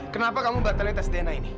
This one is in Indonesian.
kenapa kamu batalin tes dna ini